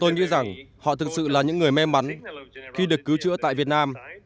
tôi nghĩ rằng họ thực sự là những người may mắn khi được cứu chữa tại việt nam